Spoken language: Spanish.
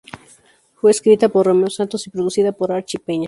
Fue escrita por Romeo Santos, y producida por Archie Peña.